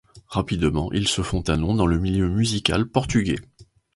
Rapidement, ils se font un nom dans le milieu musical portugais.